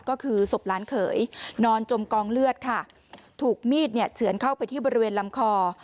ก็คือศพล้านเขยนอนจมกองเลือดค่ะถูกมีดเนี่ยเฉือนเข้าไปที่บริเวณลำคอ